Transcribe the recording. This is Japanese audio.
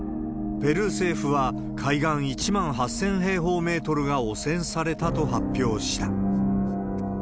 ペルー政府は海岸１万８０００平方メートルが汚染されたと発表した。